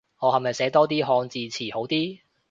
我係咪寫多啲漢字詞好啲